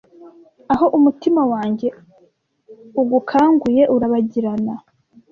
aho umutima wanjye ugukanguye urabagirana